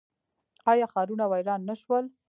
آیا ښارونه ویران نه شول؟